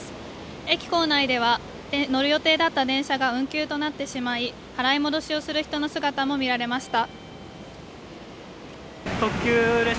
駅構内では乗る予定だった電車が運休となってしまい払い戻しをする人の姿も見られました